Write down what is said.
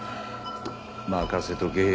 任せとけ。